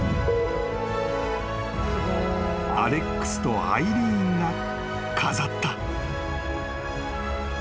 ［アレックスとアイリーンが飾った］